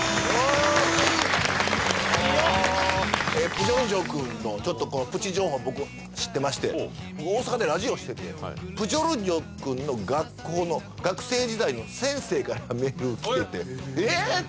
プジョルジョ君のプチ情報僕知ってまして僕大阪でラジオしててプジョルジョ君の学校の学生時代の先生からメール来ててえっ！？